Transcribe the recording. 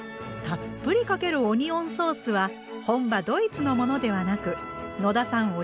たっぷりかけるオニオンソースは本場ドイツのものではなく野田さん